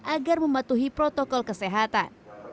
agar membantu protokol kesehatan